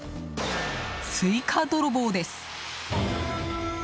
スイカ泥棒です！